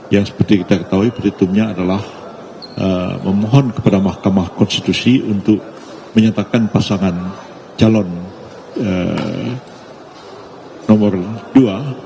yang seperti kita ketahui perhitungnya adalah memohon kepada mahkamah konstitusi untuk menyatakan pasangan calon nomor dua